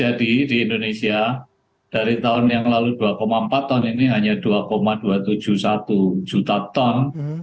jadi di indonesia dari tahun yang lalu dua empat ton ini hanya dua dua ratus tujuh puluh satu juta ton